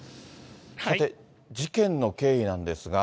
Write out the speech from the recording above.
さて、事件の経緯なんですが。